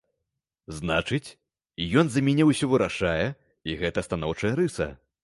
Значыць, ён за мяне ўсё вырашае, і гэта станоўчая рыса.